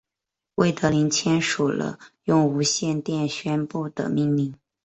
魏德林签署了用无线电宣布的命令。